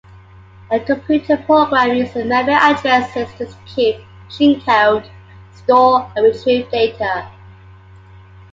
A computer program uses memory addresses to execute machine code, store and retrieve data.